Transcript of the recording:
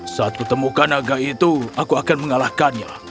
saat kutemukan naga itu aku akan mengalahkannya